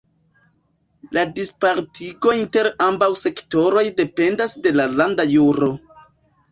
La dispartigo inter ambaŭ sektoroj dependas de la landa juro.